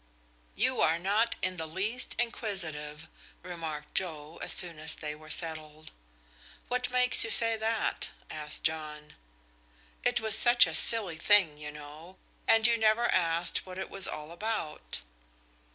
"You are not in the least inquisitive," remarked Joe, as soon as they were settled. "What makes you say that?" asked John. "It was such a silly thing, you know, and you never asked what it was all about."